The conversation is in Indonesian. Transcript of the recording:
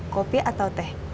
kopi atau teh